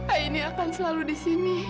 aini akan selalu disini